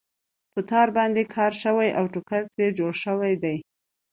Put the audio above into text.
په تار باندې کار شوی او ټوکر ترې جوړ شوی دی.